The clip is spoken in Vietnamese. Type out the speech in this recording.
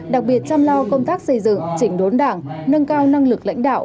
đặc biệt chăm lo công tác xây dựng chỉnh đốn đảng nâng cao năng lực lãnh đạo